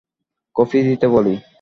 Coffee দিতে বলি।